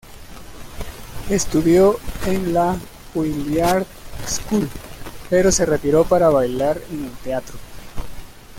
Estudió en la Juilliard School, pero se retiró para bailar en el teatro.